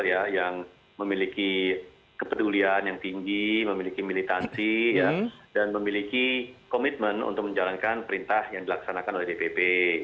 ya yang memiliki kepedulian yang tinggi memiliki militansi dan memiliki komitmen untuk menjalankan perintah yang dilaksanakan oleh dpp